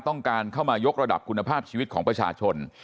ต้องการเข้ามายกระดับคุณภาพชีวิตของประชาชน